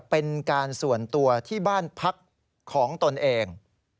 เป็นการส่วนตัวที่บ้านพักของตนเอง